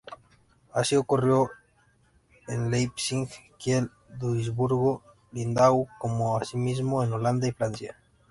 Así ocurrió en Leipzig, Kiel, Duisburg, Lindau, como asimismo en Holanda y Francia.